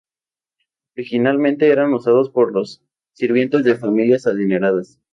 Originalmente eran usados por los sirvientes de familias adineradas.